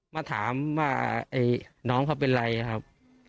มาถามว่าน้องเขาเป็นไรครับ